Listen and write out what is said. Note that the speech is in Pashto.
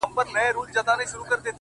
زما تصـور كي دي تصـوير ويده دی’